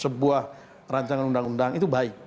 sebuah rancangan undang undang itu baik